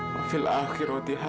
dan di akhirat kita